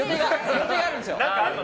予定があるんですよ。